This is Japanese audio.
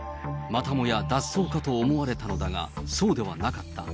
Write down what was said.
またもや脱走かと思われたのだが、そうではなかった。